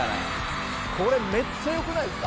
「これめっちゃ良くないですか？」